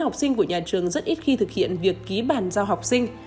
của nhà trường rất ít khi thực hiện việc ký bàn giao học sinh